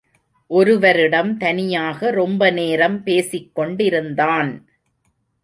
ஒருவரிடம் தனியாக ரொம்ப நேரம் பேசிக் கொண்டிருந்தான்.